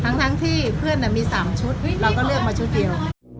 ทั้งที่เพื่อนมี๓ชุดเราก็เลือกมาชุดเดียว